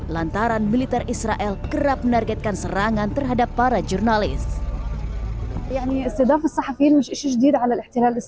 lantaran militer israel kerap menargetkan serangan terhadap para jurnalis